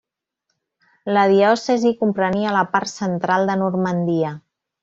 La diòcesi comprenia la part central de Normandia.